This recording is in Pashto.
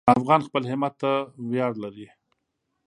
افغان خپل همت ته ویاړ لري.